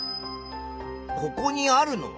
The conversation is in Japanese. ここにあるのは？